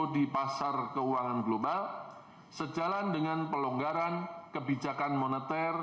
di pasar keuangan global sejalan dengan pelonggaran kebijakan moneter